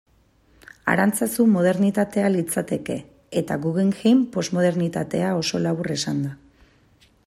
Arantzazu modernitatea litzateke, eta Guggenheim, posmodernitatea, oso labur esanda.